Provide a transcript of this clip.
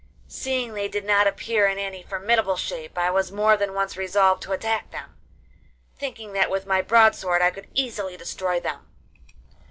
Seeing they did not appear in any formidable shape, I was more than once resolved to attack them, thinking that with my broad sword I could easily destroy them.